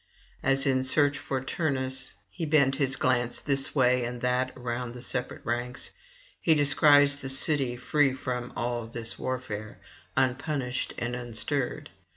As in search for Turnus he bent his glance this way and that round the separate ranks, he descries the city free from all this warfare, unpunished and unstirred.